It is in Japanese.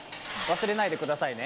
忘れないでくださいね。